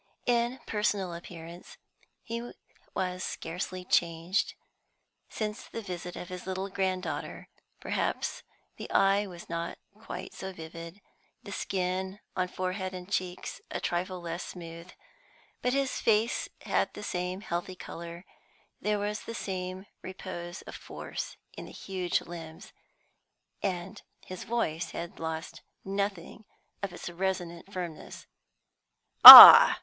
In personal appearance he was scarcely changed since the visit of his little grand daughter. Perhaps the eye was not quite so vivid, the skin on forehead and cheeks a trifle less smooth, but his face had the same healthy colour; there was the same repose of force in the huge limbs, and his voice had lost nothing of its resonant firmness. "Ah!"